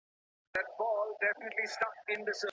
تحفې بايد د خپل توان په اندازه ورکړل سي.